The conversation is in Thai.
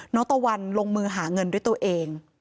ตะวันลงมือหาเงินด้วยตัวเอง